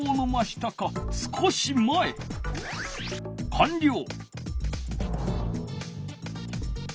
かんりょう！